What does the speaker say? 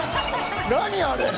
何あれ？